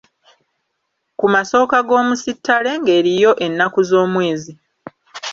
Ku masooka g'omusittale ng'eriyo ennaku z'omwezi.